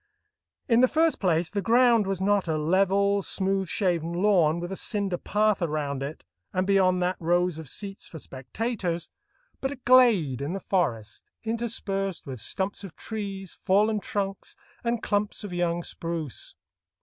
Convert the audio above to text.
In the first place, the ground was not a level, smooth shaven lawn, with a cinder path around it, and beyond that rows of seats for spectators, but a glade in the forest, interspersed with stumps of trees, fallen trunks, and clumps of young spruce.